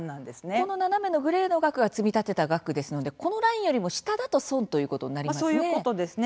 この斜めのグレーの額が積み立てた額ですのでこのラインよりも下だと損ということになりますね。